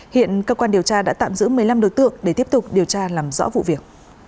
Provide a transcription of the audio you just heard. hiện cơ quan điều tra đã tạm giữ một mươi năm đối tượng để tiếp tục điều tra làm rõ vụ việc